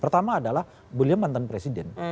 pertama adalah beliau mantan presiden